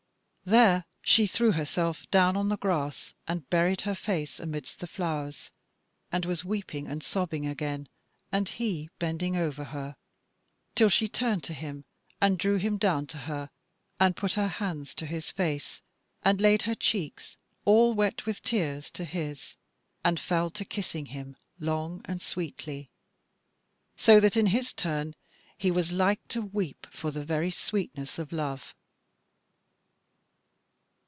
There she threw herself down on the grass and buried her face amidst the flowers, and was weeping and sobbing again and he bending over her, till she turned to him and drew him down to her and put her hands to his face, and laid her cheeks all wet with tears to his, and fell to kissing him long and sweetly, so that in his turn he was like to weep for the very sweetness of love.